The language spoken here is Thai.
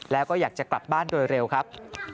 แล้วก็อยากจะกลับบ้านโดยเร็วครับ